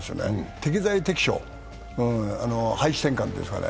適材適所、配置転換というんですかね。